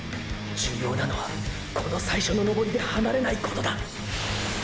重要なのはこの最初の登りで離れないことだ！